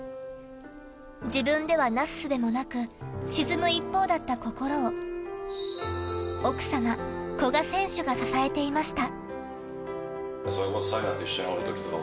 自分では、なすすべもなく沈む一方だった心を奥様・古賀選手が支えていました。